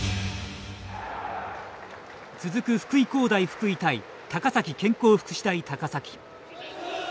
続く福井工大福井対高崎健康福祉大高崎。